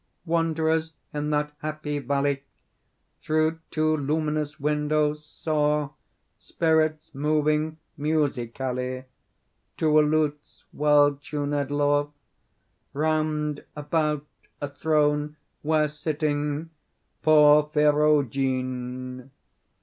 Wanderers in that happy valley Through two luminous windows saw Spirits moving musically To a lute's well tunéd law, Round about a throne, where sitting (Porphyrogene!)